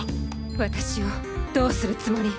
私をどうするつもり？